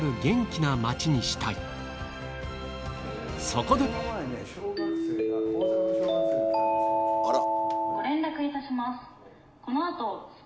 そこであら？